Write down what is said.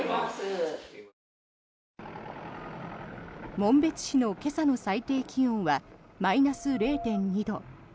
紋別市の今朝の最低気温はマイナス０．２度。